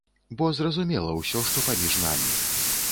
Бо зразумела ўсё, што паміж намі.